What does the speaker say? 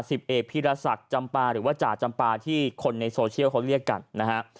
สิบเอกพีรศักดิ์จำปาหรือว่าจ่าจำปาที่คนในโซเชียลเขาเรียกกันนะฮะ